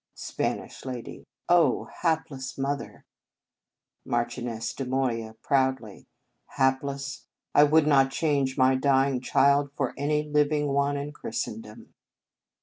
Spanish Lady. Oh ! hapless mother ! Marchioness de Moya (proudly). Hapless ! I would not change my dying child for any living one in Christendom.